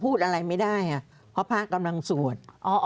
พูดอะไรไม่ได้เพราะพระกำลังสวด